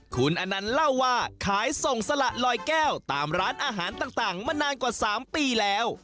คุณอนันต์เล่าว่าขายส่งสละลอยแก้วตามร้านอาหารต่างมานานกว่า๓ปีแล้ว